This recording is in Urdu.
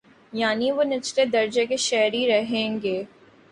یعنی وہ نچلے درجے کے شہری رہیں گے۔